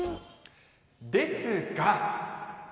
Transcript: ですが。